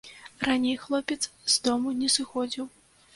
Раней хлопец з дому не сыходзіў.